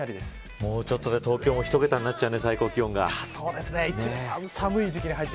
もうちょっとで東京も１桁になっちゃうね。